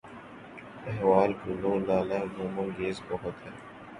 احوال گل و لالہ غم انگیز بہت ہے